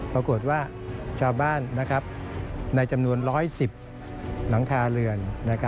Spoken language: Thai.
ปรากฏว่าชาวบ้านในจำนวน๑๑๐หลังคาเรือน